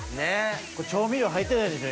これ調味料入ってないでしょ